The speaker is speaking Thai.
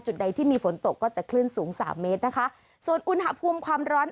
ใดที่มีฝนตกก็จะคลื่นสูงสามเมตรนะคะส่วนอุณหภูมิความร้อน